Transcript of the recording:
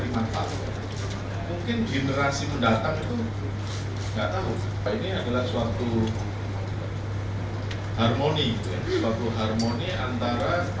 dimanfaat mungkin generasi mendatang itu nggak tahu ini adalah suatu harmoni suatu harmoni antara